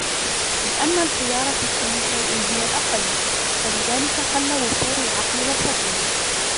لِأَنَّ الْخِيَارَ فِي كُلِّ شَيْءٍ هُوَ الْأَقَلُّ ، فَلِذَلِكَ قَلَّ وُفُورُ الْعَقْلِ وَالْفَضْلِ